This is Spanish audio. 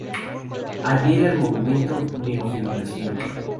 Adhiere al movimiento Neo-Figuración.